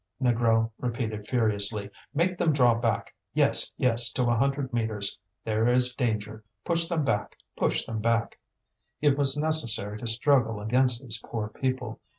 Négrel repeated furiously. "Make them draw back! Yes, yes, to a hundred metres! There is danger; push them back, push them back!" It was necessary to struggle against these poor people.